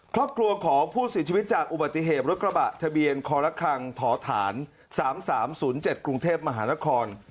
ครอบครัวของผู้เสียชีวิตจากอุบัติเหตุรถกระบะทะเบียนคอละครังถฐาน๓๓๐๗กรุงเทพมหานคร